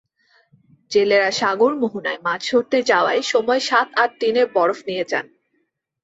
জেলেরা সাগর মোহনায় মাছ ধরতে যাওয়ার সময় সাত-আট দিনের বরফ নিয়ে যান।